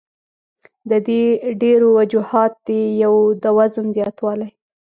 د دې ډېر وجوهات دي يو د وزن زياتوالے ،